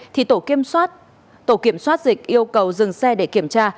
thì tổ kiểm soát dịch yêu cầu dừng xe để kiểm tra